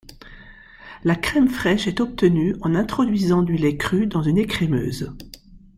La crème fraîche est obtenue en introduisant du lait cru dans une écrémeuse.